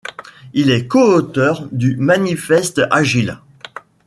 Il est co-auteur du Manifeste Agile.